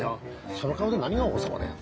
その顔で何が王様だよ